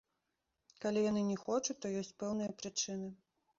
Калі яны не хочуць, то ёсць пэўныя прычыны.